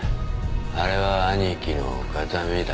あれは兄貴の形見だ。